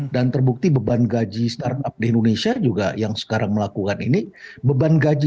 dan terbukti beban gaji startup di indonesia juga yang sekarang melakukan ini beban gaji